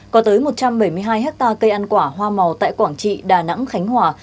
có tới một trăm bảy mươi hai hectare cây ăn quả hoa màu tại quảng trị đà nẵng khánh hòa